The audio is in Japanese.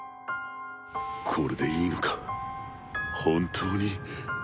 これでいいのか本当に。